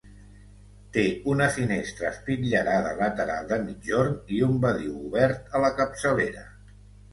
Té una finestra espitllerada lateral de migjorn i un badiu obert a la capçalera.